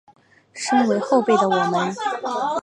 身为后辈的我们